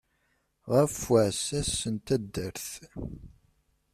Ɣef uɛssas n taddart.